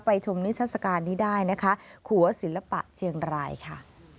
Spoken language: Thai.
ชมนิทัศกาลนี้ได้นะคะขัวศิลปะเชียงรายค่ะ